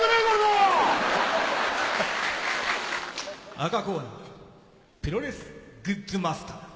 赤コーナープロレスグッズマスター。